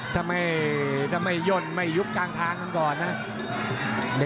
ถ้าไม่ย่นไม่ยุบกลางทางกันก่อนนะ